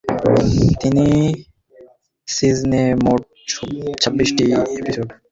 তিন সিজনে মোট ছাব্বিশটি এপিসোড।